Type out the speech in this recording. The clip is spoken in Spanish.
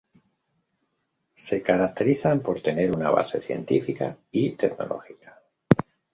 Se caracterizan por tener una base Científica y Tecnológica.